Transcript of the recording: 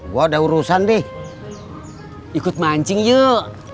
gue ada urusan deh ikut mancing yuk